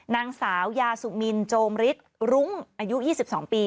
นางสาวยาสุมินโจมฤทธิ์รุ้งอายุ๒๒ปี